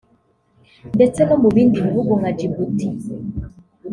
ndetse no mu bindi bihugu nka Djibouti